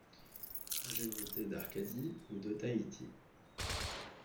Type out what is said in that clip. Ingénuité d’Arcadie ou d’Otaïti.